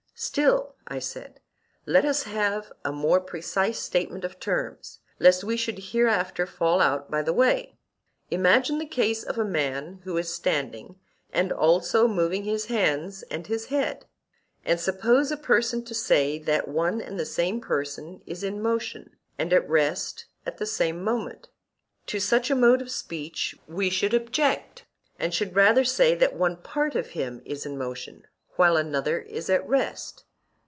Still, I said, let us have a more precise statement of terms, lest we should hereafter fall out by the way. Imagine the case of a man who is standing and also moving his hands and his head, and suppose a person to say that one and the same person is in motion and at rest at the same moment—to such a mode of speech we should object, and should rather say that one part of him is in motion while another is at rest.